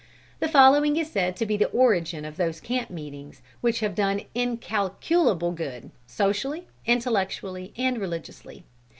The following is said to be the origin of those camp meetings which have done incalculable good, socially, intellectually, and religiously.